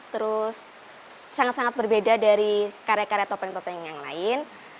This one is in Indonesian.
terus sangat sangat berbeda dari karya karya topeng topeng yang lain